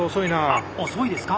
あっ遅いですか？